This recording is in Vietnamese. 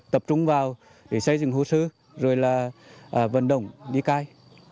tập trung vào để xây dựng hồ sơ rồi là vận động đi cai